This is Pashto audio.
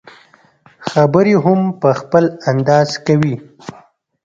خبرې هم په خپل انداز کوي.